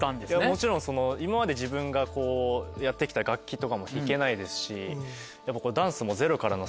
もちろんその今まで自分がやってきた楽器とかも弾けないですし。